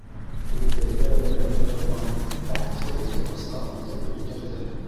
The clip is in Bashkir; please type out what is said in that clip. Ул тәҙрә эргәһендә торған артһыҙ ултырғысҡа уҙып ултырҙы.